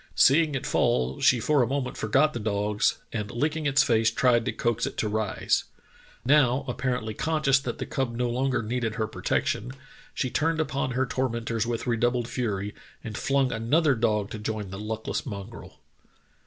Seeing it fall, she for a moment forgot the dogs, and licking its face tried to coax it to rise. Now, apparently conscious that the cub no longer needed her protection, she turned upon her tormentors with redoubled fury, and flung another dog to join the luckless mongrel.